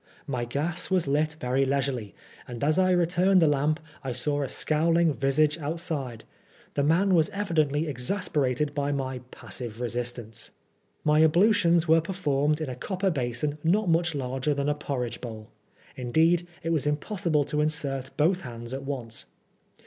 My gas was lit very leisurely, and as I returned the lamp I saw a scowling visage outside The man was evidently exasperated by my "passive resistance/' My ablutions were performed in a copper basin not much larger than a porridge bowl ; indeed, it was impossible to insert both hands at once.